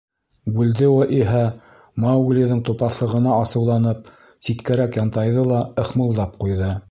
Бульдео иһә, Мауглиҙың тупаҫлығына асыуланып, ситкәрәк янтайҙы ла ыхмылдап ҡуйҙы.